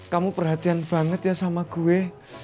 kamu perhatian banget ya sama gue